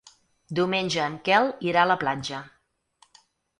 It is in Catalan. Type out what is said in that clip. Diumenge en Quel irà a la platja.